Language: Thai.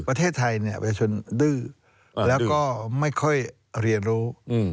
ประเทศไทยเนี่ยประชาชนดื้อแล้วก็ไม่ค่อยเรียนรู้